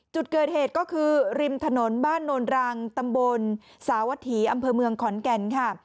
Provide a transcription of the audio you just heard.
จุดเกิดเหตุก็คือริมถนนบ้านโนนรังตำบลสาวถีอำเภอเมืองขอนแก่นค่ะ